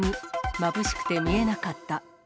まぶしくて見えなかった。